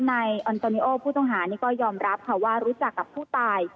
นายออนโตนิโอผู้ต้องหานี่ก็ยอมรับค่ะว่ารู้จักกับผู้ตาย